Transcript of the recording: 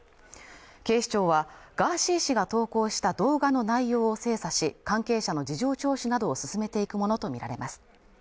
警視庁はガーシー氏が投稿した動画の内容を精査し関係者の事情聴取などを進めていくものと見られます